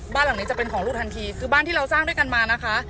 บ้านหลังนี้จะเป็นของลูกทันทีคือบ้านที่เราสร้างด้วยกันมานะคะ